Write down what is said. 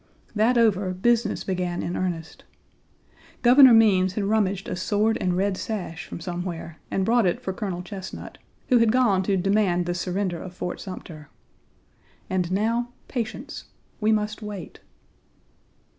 That over, business began in earnest. Governor Means had rummaged a sword and red sash from somewhere and brought it for Colonel Chesnut, who had gone to demand the surrender of Fort Sumter. And now patience we must wait.